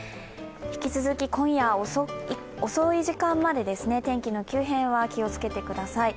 引き続き今夜遅い時間まで天気の急変は気を付けてください。